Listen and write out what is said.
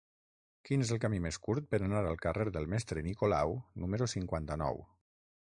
Quin és el camí més curt per anar al carrer del Mestre Nicolau número cinquanta-nou?